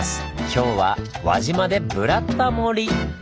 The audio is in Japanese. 今日は輪島で「ブラタモリ」！